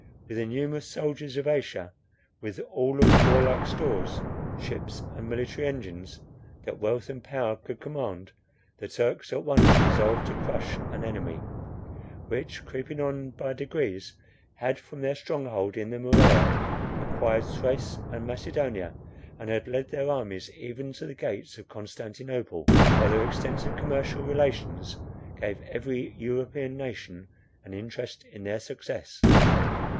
With the numerous soldiers of Asia, with all of warlike stores, ships, and military engines, that wealth and power could command, the Turks at once resolved to crush an enemy, which creeping on by degrees, had from their stronghold in the Morea, acquired Thrace and Macedonia, and had led their armies even to the gates of Constantinople, while their extensive commercial relations gave every European nation an interest in their success.